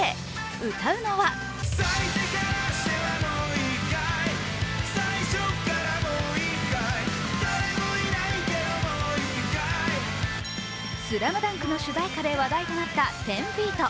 歌うのは「ＳＬＡＭＤＵＮＫ」の主題歌で話題となった１０−ＦＥＥＴ。